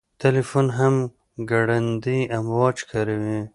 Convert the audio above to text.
تلیفون هم ګړندي امواج کاروي.